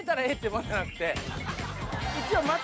一応。